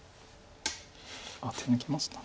あっ手抜きました。